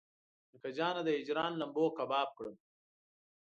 نیکه جانه د هجران لمبو کباب کړم.